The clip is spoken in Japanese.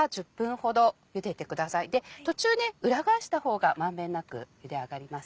途中裏返した方が満遍なくゆで上がります。